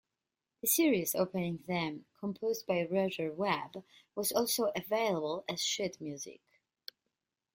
The series opening theme, composed by Roger Webb, was also available as sheet music.